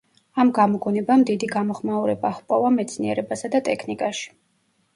ამ გამოგონებამ დიდი გამოხმაურება ჰპოვა მეცნიერებასა და ტექნიკაში.